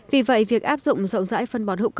vì vậy việc áp dụng rộng rãi phân bón hữu cơ